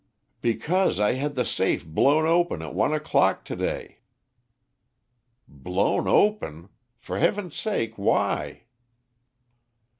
"Because I had the safe blown open at one o'clock to day." "Blown open! For Heaven's sake, why?"